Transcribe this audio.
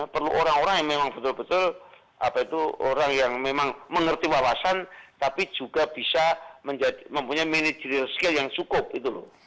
perlu orang orang yang memang betul betul apa itu orang yang memang mengerti wawasan tapi juga bisa mempunyai manajerial skill yang cukup gitu loh